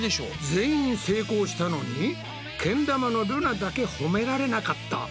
全員成功したのにけん玉のルナだけほめられなかった。